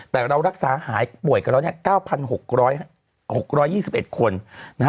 แต่เรารักษาหายป่วยกันแล้วเนี่ย๙๖๒๑คนนะฮะ